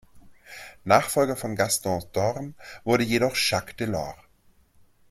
Nachfolger von Gaston Thorn wurde jedoch Jacques Delors.